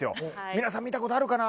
皆さん見たことあるかな。